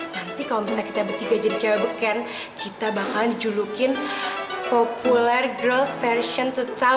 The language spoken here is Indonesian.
nanti kalo misalnya kita bertiga jadi cewek beken kita bakalan dijulukin popular girls version dua ribu lima